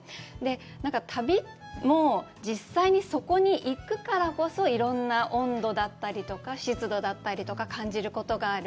なんか旅も実際にそこに行くからこそいろんな温度だったりとか湿度だったりとか感じることがある。